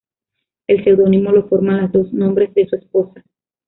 El seudónimo lo forman los dos nombres de su esposa.